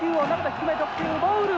低め直球ボール！